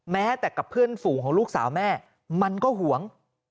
แม้แต่กับเพื่อนฝูงของลูกสาวแม่มันก็ห่วง